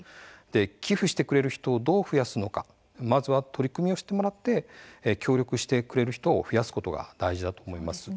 寄付してくれる人をどう増やすのかまずは取り組みを知ってもらって協力してくれる人を増やすことが大事だと思います。